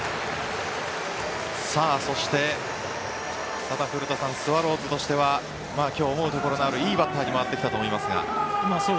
そして、古田さんスワローズとしては今日思うところのあるいいバッターに回ってきたと思いますが。